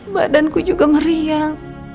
badanku juga meriang